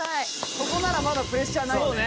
ここならまだプレッシャーない。